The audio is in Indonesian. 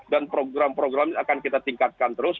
dan program program ini akan kita tingkatkan terus